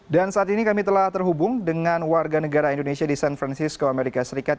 dan saat ini kami telah terhubung dengan warga negara indonesia di san francisco amerika serikat